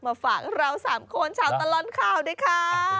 มาฝากเรา๓คนชาวตลอดข่าวด้วยค่ะ